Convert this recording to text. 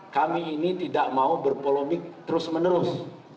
kami ini tidak mau berpolemik terus menerus